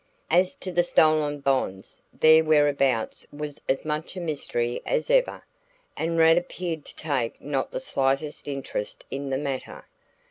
As to the stolen bonds, their whereabouts was as much a mystery as ever, and Rad appeared to take not the slightest interest in the matter.